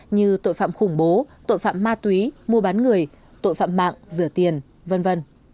như tội phạm khủng bố tội phạm ma túy mua bán người tội phạm mạng rửa tiền v v